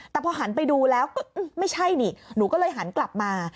แต่พอหันไปดูแล้วก็ไม่ใช่นี่หนูก็เลยหันกลับมา